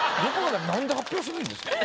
何で発表しないんですか？